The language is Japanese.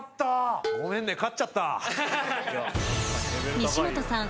西本さん